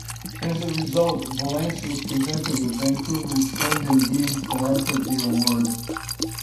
As a result, Vallance was presented with Vancouver's "Friend in Deed" philanthropy award.